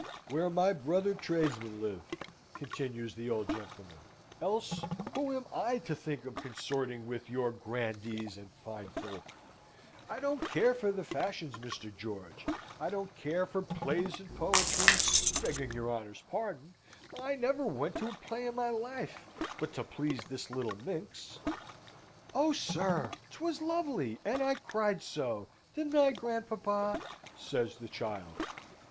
"Where my brother tradesmen live," continues the old gentleman. "Else who am I to think of consorting with your grandees and fine folk? I don't care for the fashions, Mr. George; I don't care for plays and poetry, begging your honour's pardon; I never went to a play in my life, but to please this little minx." "Oh, sir, 'twas lovely! and I cried so, didn't I, grandpapa?" says the child.